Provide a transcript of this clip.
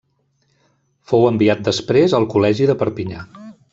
Fou enviat després al Col·legi de Perpinyà.